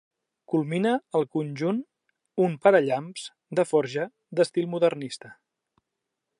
Culmina el conjunt un parallamps de forja d'estil modernista.